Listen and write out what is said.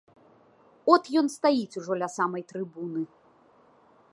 От ён стаіць ужо ля самай трыбуны.